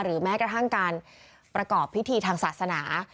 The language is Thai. แม้กระทั่งการประกอบพิธีทางศาสนา